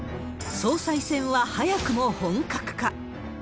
総裁選は早くも本格化。